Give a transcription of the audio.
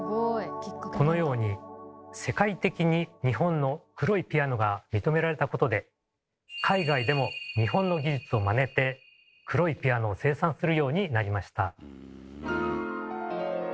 このように世界的に日本の黒いピアノが認められたことで海外でも日本の技術をまねて黒いピアノを生産するようになりました。